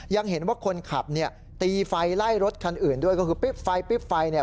ยังเห็นว่าคนขับเนี่ยตีไฟไล่รถคันอื่นด้วยก็คือปิ๊บไฟปิ๊บไฟเนี่ย